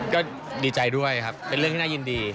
ก็ดีใจด้วยครับเป็นเรื่องที่น่ายินดี